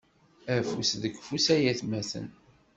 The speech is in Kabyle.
Afus deg ufus ay atmaten.